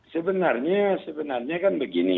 sebenarnya sebenarnya kan begini